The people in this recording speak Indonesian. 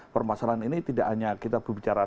permasalahan ini tidak hanya kita berbicara